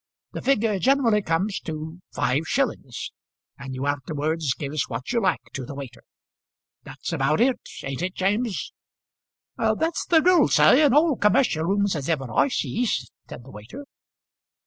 The figure generally comes to five shillings, and you afterwards gives what you like to the waiter. That's about it, ain't it, James?" "That's the rule, sir, in all commercial rooms as I ever see," said the waiter.